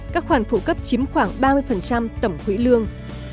các khoản phụ cấp chiếm khoảng ba mươi tổng quỹ lương